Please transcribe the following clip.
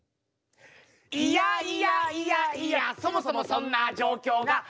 「いやいやいやいやそもそもそんな状況が」